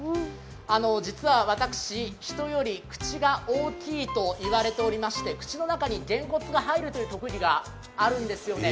実は私、人より口が大きいと言われておりまして、口の中にげんこつが入るという特技があるんですよね。